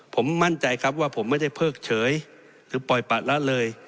ผมมั่นใจครับว่าผมไม่ได้เพิกเฉยหรือปล่อยปะละเลย